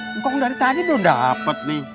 mungkong dari tadi udah dapet nih